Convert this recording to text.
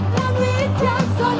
dan wijak sono